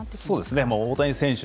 大谷選手